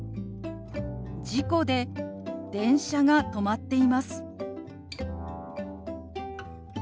「事故で電車が止まっています」。